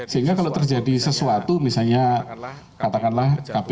sehingga kalau terjadi sesuatu misalnya katakanlah kpk